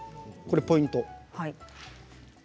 これポイント。